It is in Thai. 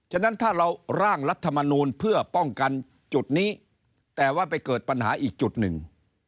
ฉะนั้นถ้าเราร่างรัฐมนูลเพื่อป้องกันจุดนี้แต่ว่าไปเกิดปัญหาอีกจุดหนึ่ง